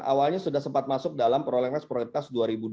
awalnya sudah sempat masuk dalam prolegnas prioritas dua ribu dua puluh